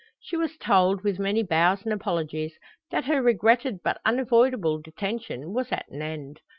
She was told, with many bows and apologies, that her regretted but unavoidable detention was at an end.